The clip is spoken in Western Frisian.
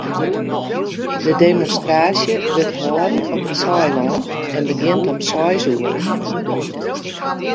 De demonstraasje wurdt hâlden op it Saailân en begjint om seis oere.